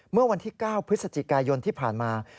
เมื่อวันที่๙พฤศจิกายนที่ผ่านมา